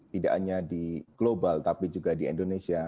tidak hanya di global tapi juga di indonesia